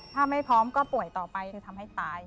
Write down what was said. ถ้าไม่พร้อมก็ป่วยต่อไปคือทำให้ตาย